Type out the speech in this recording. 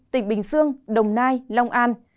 tỉnh bình dương đồng nai long an